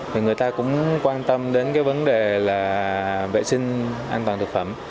thì người ta cũng quan tâm đến cái vấn đề là vệ sinh an toàn thực phẩm